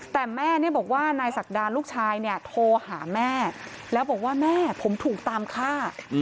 แต่แม่บอกว่านายศักดาลูกชายเนี่ยโทรหาแม่แล้วบอกว่าแม่ผมถูกตามฆ่า